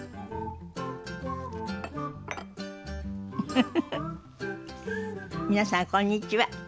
フフフフ皆さんこんにちは。